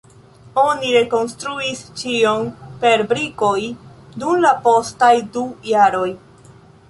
Oni rekonstruis ĉion per brikoj dum la postaj du jaroj.